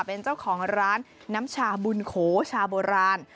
เป็นเจ้าของร้านน้ำชาบุญโขชาโบราณ